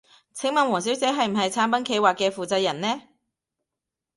請問王小姐係唔係產品企劃嘅負責人呢？